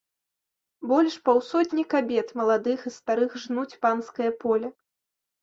Больш паўсотні кабет, маладых і старых, жнуць панскае поле.